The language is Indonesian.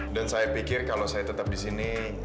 dan saya pikir kalau saya tetap disini